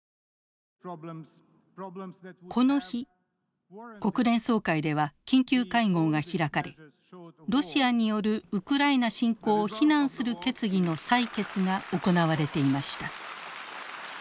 この日国連総会では緊急会合が開かれロシアによるウクライナ侵攻を非難する決議の採決が行われていました。